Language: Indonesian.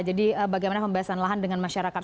jadi bagaimana pembebasan lahan dengan masyarakat